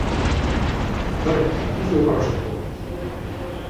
Loreto, como se prepara o sector?